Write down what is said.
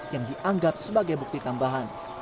yang dianggap sebagai bukti tambahan